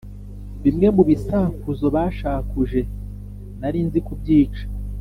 bimwe mu bisakuzo bashakuje nari nzi kubyica,